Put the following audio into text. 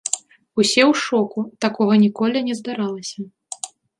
Усе ў шоку, такога ніколі не здаралася.